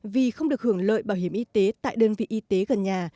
vì không được hưởng lợi bảo hiểm y tế tại đơn vị y tế gần nhà